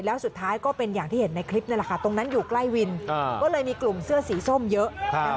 แล้วสุดท้ายก็เป็นอย่างที่เห็นในคลิปนี่แหละค่ะตรงนั้นอยู่ใกล้วินก็เลยมีกลุ่มเสื้อสีส้มเยอะ